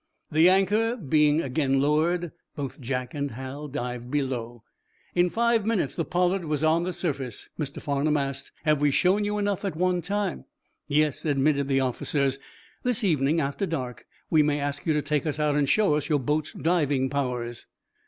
The anchor being again lowered, both Jack and Hal dived below. In five minutes the "Pollard" was on the surface. Mr. Farnum asked: "Have we shown you enough at one time?" "Yes," admitted the officers. "This evening, after dark, we may ask you to take us out and show us your boat's diving powers."